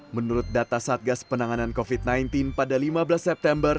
menurut data satgas penanganan covid sembilan belas pada lima belas september